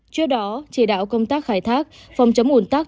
trước đó chỉ đạo công tác khai thác phòng chống ủn tắc